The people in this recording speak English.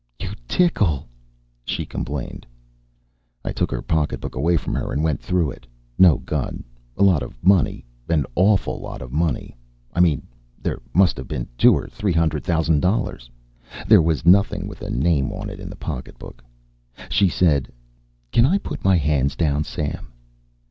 "You tickle," she complained. I took her pocketbook away from her and went through it. No gun. A lot of money an awful lot of money. I mean there must have been two or three hundred thousand dollars. There was nothing with a name on it in the pocketbook. She said: "Can I put my hands down, Sam?"